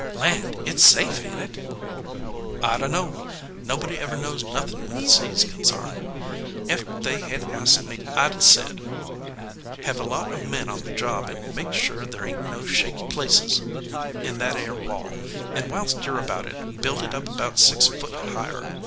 "Land! It s safe, ain t it ?" "I dunno. Nobody never knows nothin when the sea s consarned. Ef they had asked me I d said: Hev a lot of men on the job, and make sure there ain t no shaky places in that ere wall ; and whilst you re about it, build it up about six foot higher.